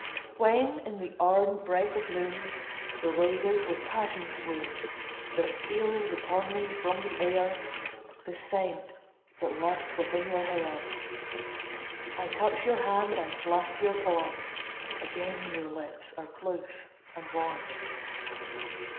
When, in the ardent breath of noon, The roses with passion swoon; There steals upon me from the air The scent that lurked within your hair; I touch your hand, I clasp your form Again your lips are close and warm.